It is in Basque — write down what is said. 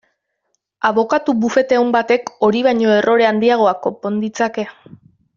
Abokatu bufete on batek hori baino errore handiagoak konpon ditzake.